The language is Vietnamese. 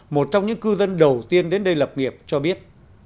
một trong những cư dân đầu tiên đến đây lập nghiệp cho biết